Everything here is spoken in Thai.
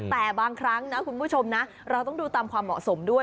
แต่บางครั้งนะคุณผู้ชมนะเราต้องดูตามความเหมาะสมด้วย